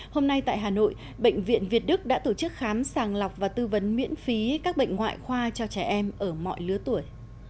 hôm nay tại hà nội bệnh viện việt đức đã tổ chức khám sàng lọc và tư vấn miễn phí các bệnh ngoại khoa cho trẻ em ở mọi lứa tuổi